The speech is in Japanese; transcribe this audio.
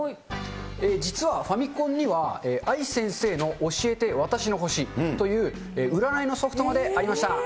実は、ファミコンには、愛先生のオシエテわたしの星という、占いのソフトまでありました。